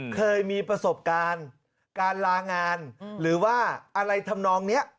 เคยมีประสบการณ์การลางานหรือว่าอะไรทำนองนี้